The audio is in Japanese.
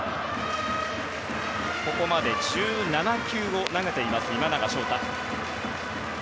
ここまで１７球を投げています今永昇太。